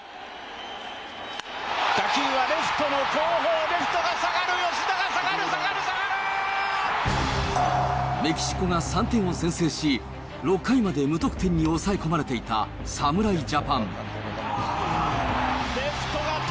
打球はレフトの後方、レフトが下がる、吉田が下がる、下がるメキシコが３点を先制し、６回まで無得点に抑え込まれていた侍ジャパン。